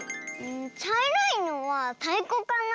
ちゃいろいのはたいこかな？